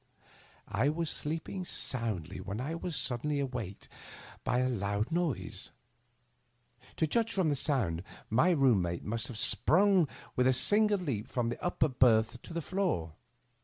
I was sleeping soundly when I was suddenly waked by a loud noise. To judge from the sound my room mate must have sprung with a single leap from the upper berth to the floor.